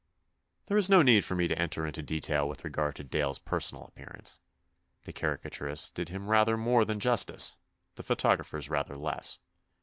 There is no need for me to enter into detail with regard to Dale's personal appearance; the caricaturists did him rather more than justice, the photographers rather less.